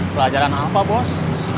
pelajaran apa bos